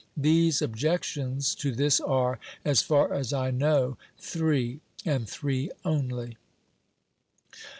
The objections to this are, as far as I know, three, and three only.